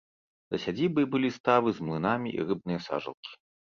За сядзібай былі ставы з млынамі і рыбныя сажалкі.